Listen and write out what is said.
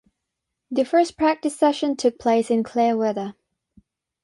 The first practice session took place in clear weather.